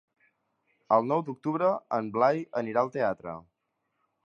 El nou d'octubre en Blai anirà al teatre.